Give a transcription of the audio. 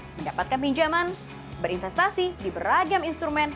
mendapatkan pinjaman berinvestasi di beragam instrumen